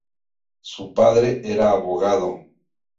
Su padre era abogado.